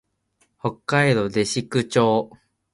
北海道弟子屈町